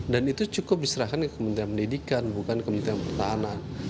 dan itu cukup diserahkan ke kementerian pendidikan bukan kementerian pertahanan